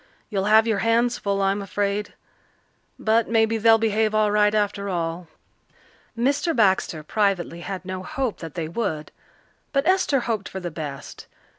You'll have your hands full, I'm afraid. But maybe they'll behave all right after all." Mr. Baxter privately had no hope that they would, but Esther hoped for the best.